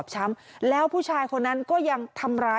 เหมือนผู้หญิงนอนลงไป